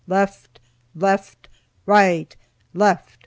left, right, left!"